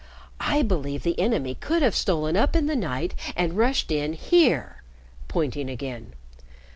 I believe the enemy could have stolen up in the night and rushed in here," pointing again.